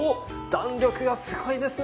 弾力がすごいですね。